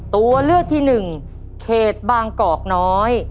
ตัวเลือกที่หนึ่งเขตบางกอกน้อย